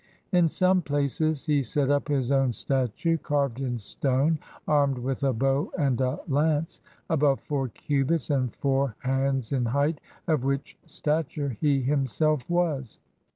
In some places he set up his own statue, carved in stone (armed with a bow and a lance) above four cubits and four hands ^ in height, of which stature he himself was.